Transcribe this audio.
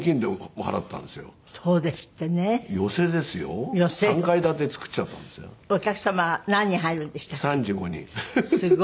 お客様は何人入るんでしたっけ？